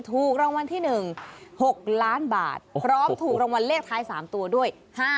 ถูกรางวัลที่๑๖ล้านบาทพร้อมถูกรางวัลเลขท้าย๓ตัวด้วย